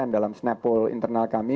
dalam snap poll internal kami